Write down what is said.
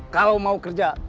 kalau mau kerja